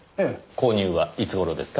購入はいつ頃ですか？